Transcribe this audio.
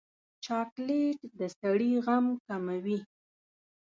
چاکلېټ د سړي غم کموي.